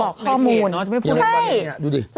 ข้อมูล